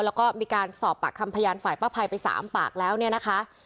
แล้วก็มีการสอบปากคำพยานฝ่ายป้าภัยไป๓ปากแล้วเนี่ยนะคะ